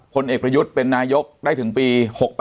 ผลเอกประยุทธ์เป็นนายกได้ถึงปี๖๘